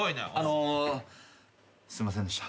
あのすいませんでした。